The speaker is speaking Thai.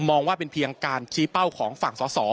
มองว่าเป็นเพียงการชี้เป้าของฝั่งสอสอ